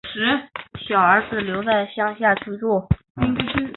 小儿子留在乡下居住